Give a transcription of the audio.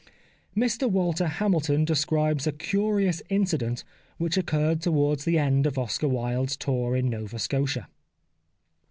Mr Walter Hamilton describes a curious in cident which occurred towards the end of Oscar Wilde's tour in Nova Scotia.